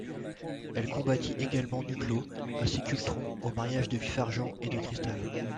Elle combattit également Nuklo, ainsi qu’Ultron au mariage de Vif-Argent et de Crystal.